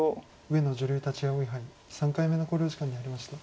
上野女流立葵杯３回目の考慮時間に入りました。